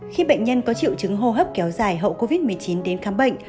khi bệnh nhân có triệu chứng hô hấp kéo dài hậu covid một mươi chín đến khám bệnh